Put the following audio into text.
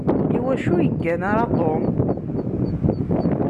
Iwacu ur yeggan ara Tom?